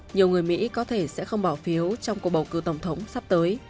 nhiều người mỹ có thể sẽ không bỏ phiếu trong cuộc bầu cử tổng thống sắp tới